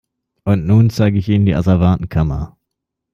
Und nun zeige ich Ihnen die Asservatenkammer.